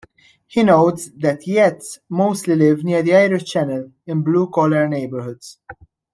He notes that Yats mostly live near the Irish Channel in blue-collar neighborhoods.